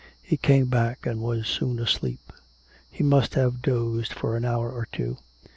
He came back and was soon asleep. He must have dozed for an hour or two.